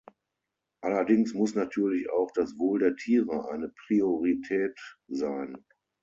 Allerdings muss natürlich auch das Wohl der Tiere eine Priorität sein.